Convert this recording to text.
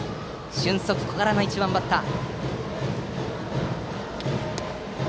俊足、小柄な１番バッター。